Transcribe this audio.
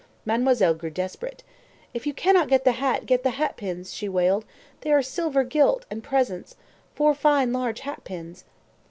Mademoiselle grew desperate. "If you cannot get the hat, get the hat pins," she wailed. "They are silver gilt and presents. Four fine large hat pins."